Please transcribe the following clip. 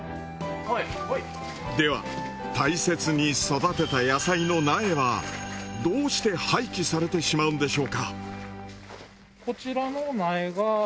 では大切に育てた野菜の苗はどうして廃棄されてしまうんでしょうか？